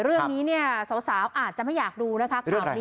เรื่องนี้เนี่ยสาวอาจจะไม่อยากดูนะคะข่าวนี้